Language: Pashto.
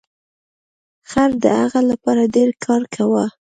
خر د هغه لپاره ډیر کار کاوه.